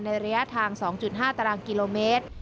ระยะทาง๒๕ตารางกิโลเมตร